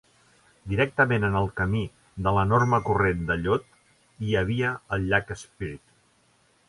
Directament en el camí de l'enorme corrent de llot hi havia el llac Spirit.